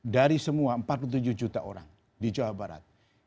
dari semua empat puluh tujuh juta orang di jawa barat